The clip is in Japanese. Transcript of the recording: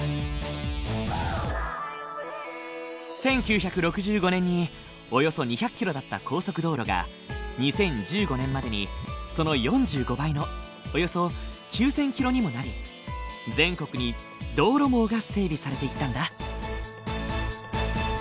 １９６５年におよそ２００キロだった高速道路が２０１５年までにその４５倍のおよそ９，０００キロにもなり全国に道路網が整備されていったんだ。